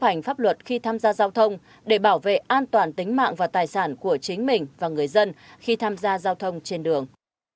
chấp hành pháp luật khi tham gia giao thông để bảo vệ an toàn tính mạng và tài sản của chính mình và người dân khi tham gia giao thông trên đường